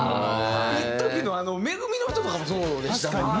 いっときのあの『め組のひと』とかもそうでしたもんね。